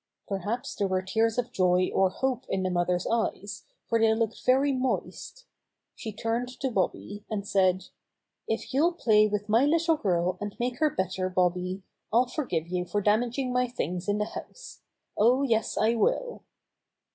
Perhaps there were tears of joy or hope in the mother's eyes, for they looked very moist 36 Bobby Gray Squirrel's Adventures She turned to Bobby, and said: "If youUl play with my little girl and make her better, Bobby, I'll forgive you for damaging my things in the house. Oh, yes, I v^ill."